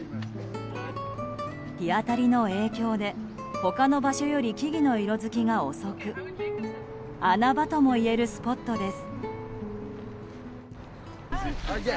日当たりの影響で他の場所より木々の色づきが遅く穴場ともいえるスポットです。